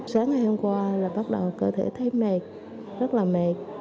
sáng ngày hôm qua là bắt đầu cơ thể thấy mệt rất là mệt